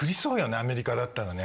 アメリカだったらね。